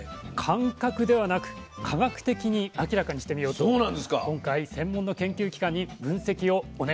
感覚ではなく科学的に明らかにしてみようと今回専門の研究機関に分析をお願いしたんです。